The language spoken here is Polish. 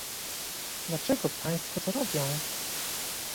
Dlaczego Państwo to robią?